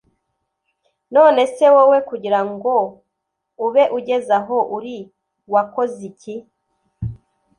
none se wowe kugira ngo ube ugeze aho uri wakoze iki